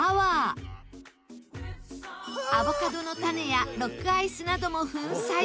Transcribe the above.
アボカドの種やロックアイスなども粉砕。